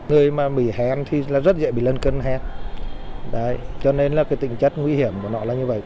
người mà bị hèn thì rất dễ bị lân cân hèn cho nên là tình chất nguy hiểm của nó là như vậy